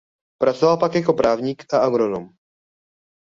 Pracoval pak jako právník a agronom.